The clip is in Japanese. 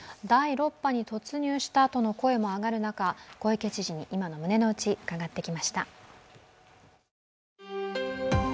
第６波に突入したとの声も上がる中、小池知事に今の胸のうち、伺ってきました。